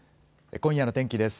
今夜の天気です。